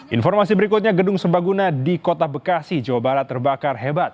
informasi berikutnya gedung sembaguna di kota bekasi jawa barat terbakar hebat